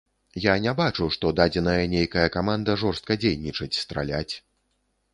Я не бачу, што дадзеная нейкая каманда жорстка дзейнічаць, страляць.